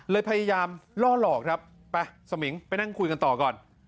พยายามล่อหลอกครับไปสมิงไปนั่งคุยกันต่อก่อน